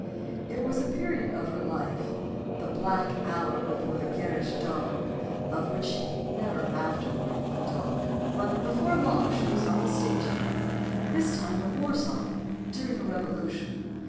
It was a period of her life the black hour before the garish dawn of which she never afterward would talk. But before long she was on the stage again; this time at Warsaw, during a revolution.